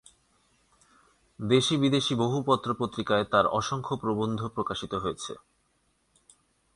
দেশী বিদেশি বহু পত্র পত্রিকায় তার অসংখ্য প্রবন্ধ প্রকাশিত হয়েছে।